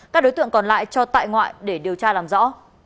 các đối tượng còn lại cho tại ngoại để điều tra làm rõ